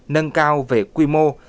nâng cao về quy mô